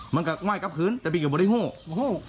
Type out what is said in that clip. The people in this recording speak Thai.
มันก็ว่ายกลับคืนแต่ไปกับวัดไอ้หู้